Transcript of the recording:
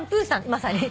まさに。